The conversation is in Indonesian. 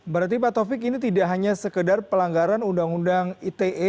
berarti pak taufik ini tidak hanya sekedar pelanggaran undang undang ite